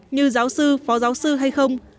như giáo sư phó giáo sư hay không